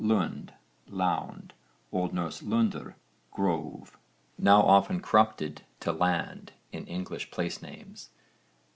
LUND, lound. O.N. lundr, grove. Now often corrupted to land in English place names.